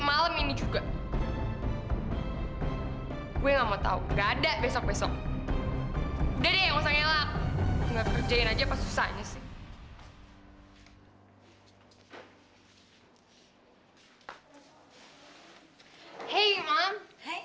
aduh gue di mana nih